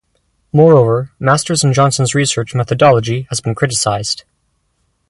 Moreover, Masters and Johnson's research methodology has been criticized.